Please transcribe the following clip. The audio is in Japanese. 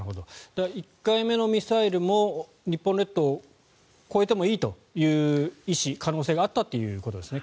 １回目のミサイルも日本列島を越えてもいいという意思可能性があったということですね